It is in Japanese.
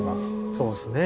そうですね。